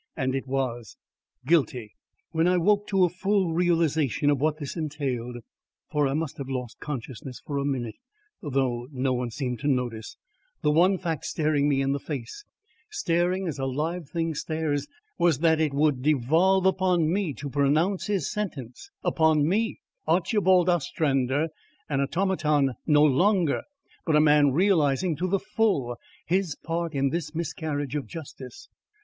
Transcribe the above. And it was: "Guilty!" When I woke to a full realisation of what this entailed (for I must have lost consciousness for a minute, though no one seemed to notice), the one fact staring me in the face staring as a live thing stares was that it would devolve upon me to pronounce his sentence; upon me, Archibald Ostrander, an automaton no longer, but a man realising to the full his part in this miscarriage of justice.